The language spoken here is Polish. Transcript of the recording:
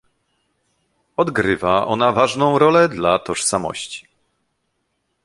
Odgrywa ona ważną rolę dla tożsamości